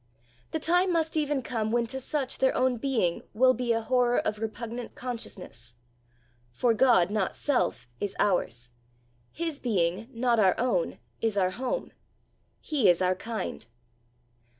The time must even come when to such their own being will be a horror of repugnant consciousness; for God not self is ours his being, not our own, is our home; he is our kind.